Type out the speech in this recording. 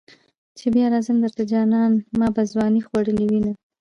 چې بیا راځم درته جانانه ما به ځوانی خوړلې وینه.